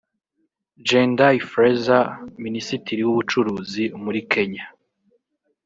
Jendai Frazer; Minisitiri w’Ubucuruzi muri Kenya